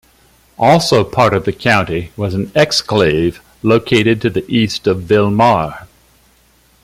Also part of the County was an exclave located to the east of Villmar.